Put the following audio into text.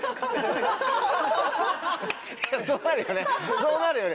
そうなるよね